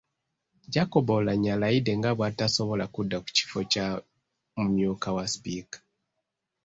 Jacob Oulanyah alayidde nga bw’atasobola kudda ku kifo kya mumyuka wa Sipiika.